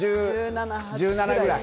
１７ぐらい。